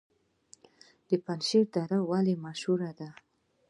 د پنجشیر دره ولې مشهوره ده؟